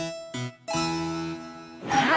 さあ